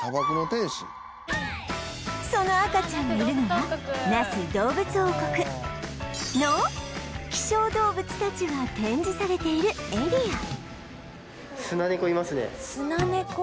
その赤ちゃんがいるのは那須どうぶつ王国の希少動物たちが展示されているエリアスナネコ？